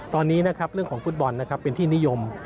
ตอนนี้นะครับเรื่องของฟุตบอลนะครับเป็นที่นิยม